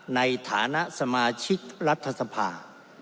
ในฐานะสมาชิกรัฐสภา